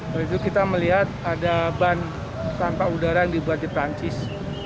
lalu kita melihat ada ban tanpa udara yang dibuat di perancis